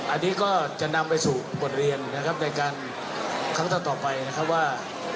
อันนี้ก็จะนำไปสู่บทเรียนนะครับในการครั้งต่อไปนะครับว่า